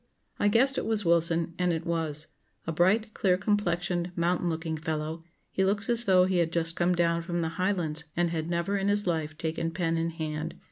I guessed it was Wilson; and it was. A bright, clear complexioned, mountain looking fellow, he looks as though he had just come down from the Highlands and had never in his life taken pen in hand.